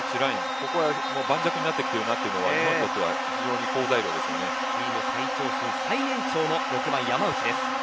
ここは盤石になっているなというのは日本にとって日本最年長の６番、山内です。